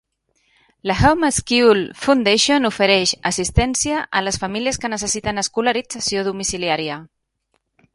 La Home School Foundation ofereix "assistència a les famílies que necessiten escolarització domiciliària".